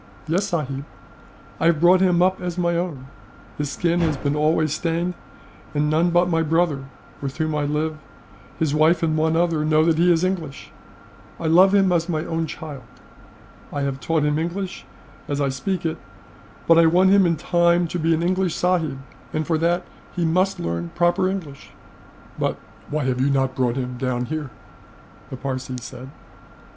"Yes, sahib, I have brought him up as my own. His skin has been always stained; and none but my brother with whom I live his wife, and one other, know that he is English. I love him as my own child. I have taught him English, as I speak it; but I want him, in time, to be an English sahib, and for that he must learn proper English." "But why have you not brought him down here?" the Parsee said.